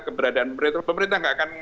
keberadaan pemerintah pemerintah tidak akan